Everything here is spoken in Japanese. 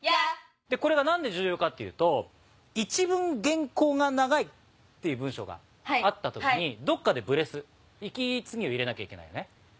これが何で重要かっていうと一文原稿が長いっていう文章があった時にどっかでブレス息継ぎを入れなきゃいけないよね。